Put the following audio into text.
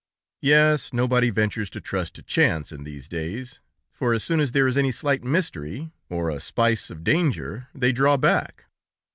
Yes, nobody ventures to trust to chance, in these days, for as soon as there is any slight mystery, or a spice of danger, they draw back.